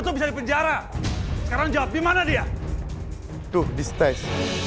tuh bisa dipenjara sekarang jawab dimana dia tuh distres